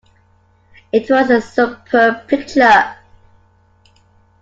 It was a superb picture.